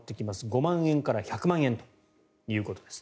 ５万円から１００万円ということです。